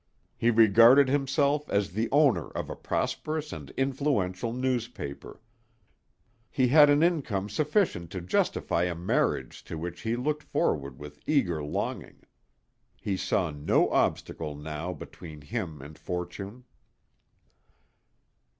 He regarded himself as the owner of a prosperous and influential newspaper. He had an income sufficient to justify a marriage to which he looked forward with eager longing. He saw no obstacle now between him and fortune.